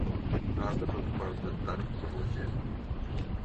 No has de preocupar-te tant per la gent.